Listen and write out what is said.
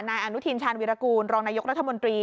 นายอนุทินชาญวิรากูลรองนายกรัฐมนตรี